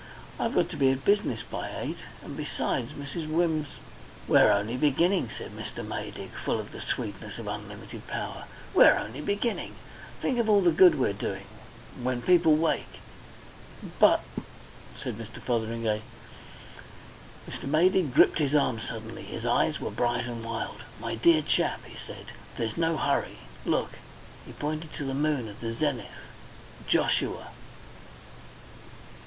I've got to be at business by eight. And besides, Mrs. Wimms " "We're only beginning," said Mr. Maydig, full of the sweetness of unlimited power. "We're only beginning. Think of all the good we're doing. When people wake " "But ," said Mr. Fotheringay. Mr. Maydig gripped his arm suddenly. His eyes were bright and wild. "My dear chap," he said, "there's no hurry. Look" he pointed to the moon at the zenith "Joshua!"